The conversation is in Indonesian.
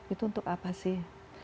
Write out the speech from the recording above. itu untuk apa sih